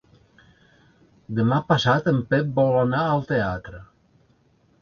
Demà passat en Pep vol anar al teatre.